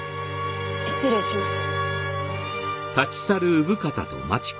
失礼します。